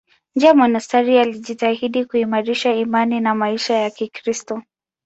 Nje ya monasteri alijitahidi kuimarisha imani na maisha ya Kikristo.